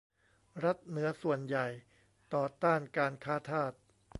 รัฐเหนือส่วนใหญ่ต่อต้านการค้าทาส